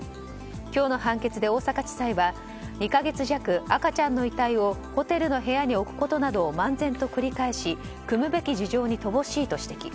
今日の判決で大阪地裁は２か月弱、赤ちゃんの遺体をホテルの部屋に置くことなどを漫然と繰り返しくむべき事情に乏しいと指摘。